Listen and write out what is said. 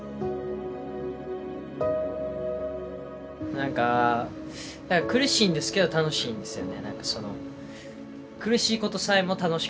何か苦しいんですけど楽しいんですよね。